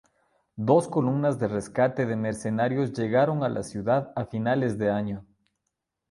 Dos columnas de rescate de mercenarios llegaron a la ciudad a finales de año.